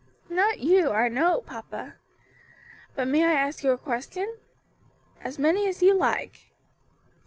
"Not you, I know, papa. But may I ask you a question?" "As many as you like."